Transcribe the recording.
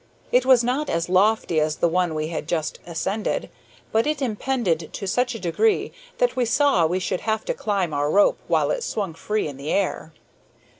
It was not as lofty as the one we had just ascended, but it impended to such a degree that we saw we should have to climb our rope while it swung free in the air!